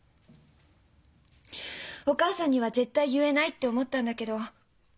お母さんには絶対言えないって思ったんだけど。